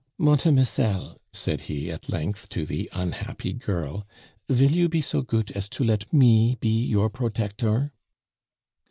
"Montemisselle," said he at length to the unhappy girl, "vill you be so goot as to let me be your protector?"